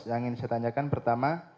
yang ingin saya tanyakan pertama